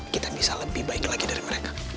kita bisa lebih baik lagi dari mereka